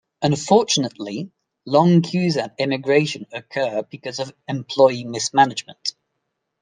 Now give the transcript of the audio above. Unfortunately, Long queues at immigration occur because of employee mismanagement.